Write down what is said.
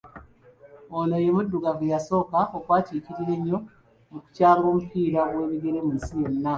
Ono ye muddugavu eyasooka okwatiikirira ennyo mu kukyanga omupiira ogw’ebigere mu nsi yonna.